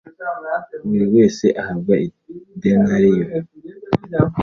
buri wese ahabwa idenariyo